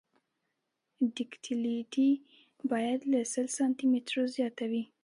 ډکټیلیټي باید له سل سانتي مترو زیاته وي